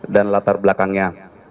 dan latar belakangnya